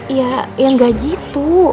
iya yang enggak gitu